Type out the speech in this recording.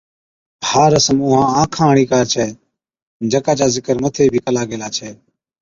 (ھا رسم اُونھان آنکا ھاڙِي ڪار ڇَي جڪا چا ذڪر مٿي بِي ڪلا گيلا ڇَي)